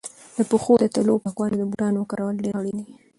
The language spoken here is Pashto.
د پښو د تلو پاکوالی او د بوټانو کارول ډېر اړین دي.